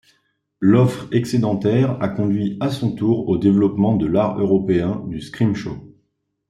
L'offre excédentaire a conduit à son tour au développement de l'art européen du scrimshaw.